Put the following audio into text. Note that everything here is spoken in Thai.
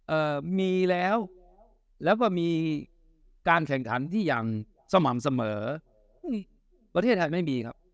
เอ่อมีแล้วแล้วก็มีการแข่งขันที่อย่างสม่ำเสมอประเทศไทยไม่มีครับ